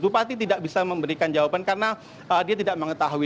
bupati tidak bisa memberikan jawaban karena dia tidak mengetahui